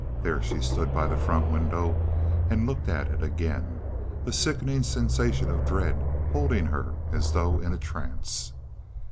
There she stood by the front window and looked at it again, a sickening sensation of dread holding her as though in a trance.